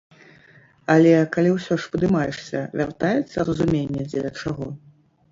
Але калі ўсё ж падымаешся, вяртаецца разуменне, дзеля чаго?